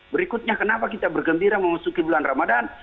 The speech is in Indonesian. berikutnya kenapa kita bergembira memasuki bulan ramadan